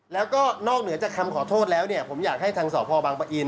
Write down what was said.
แล้วก็นอกเหนือจากคำขอโทษแล้วเนี่ยผมอยากให้ทางสพบังปะอิน